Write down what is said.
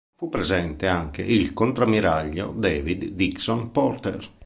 Fu presente anche il contrammiraglio David Dixon Porter.